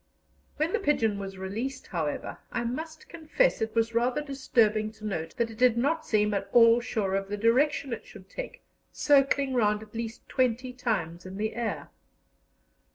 When the pigeon was released, however, I must confess it was rather disturbing to note that it did not seem at all sure of the direction it should take, circling round at least twenty times in the air.